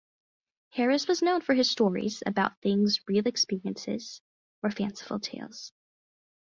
Harris was known for his stories about things real experiences or fanciful tales.